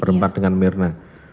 berdampak dengan mirna